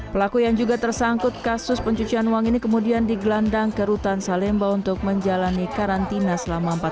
pelaku yang juga tersangkut kasus pencucian uang ini kemudian digelandang ke rutan salemba untuk menjalani karantina selama empat jam